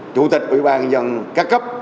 chủ tịch ủy ban dân các cấp